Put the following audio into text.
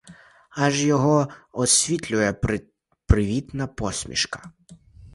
Аж ось його освітлює привітна посмішка.